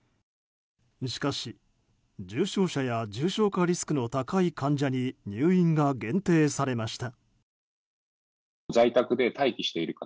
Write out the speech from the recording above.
しかし、重症者や重症化リスクの高い患者に入院が限定されました。